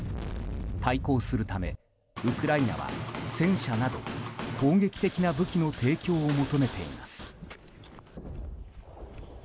対抗するためウクライナは戦車など攻撃的な武器の提供を求めています。